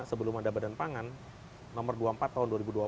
sebelum ada badan pangan nomor dua puluh empat tahun dua ribu dua puluh